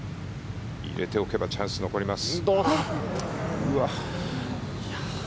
入れておけばチャンスが残ります。